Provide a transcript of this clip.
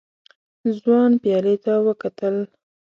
ځوان پيالې ته وکتل.